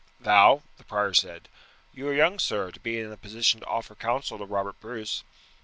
"Thou?" the prior said; "you are young, sir, to be in a position to offer counsel to Robert Bruce."